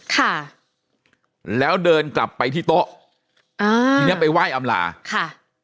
ค่ะแล้วเดินกลับไปที่โต๊ะอ่าทีเนี้ยไปไหว้อำลาค่ะ